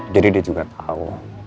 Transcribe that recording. jadi dia juga tau